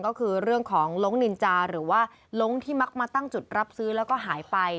ก็คือเรื่องของล้งนินจาหรือว่าลงที่มักมาตั้งจุดรับซื้อแล้วก็หายไป